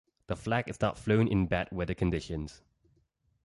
The flag is not flown in bad weather conditions.